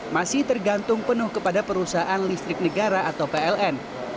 masih tergantung penuh kepada perusahaan listrik negara atau pln